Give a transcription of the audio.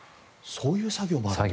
そういう作業もあるんですね。